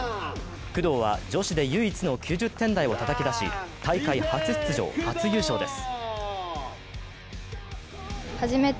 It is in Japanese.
工藤は女子で唯一の９０点台をたたき出し、大会初出場、初優勝です。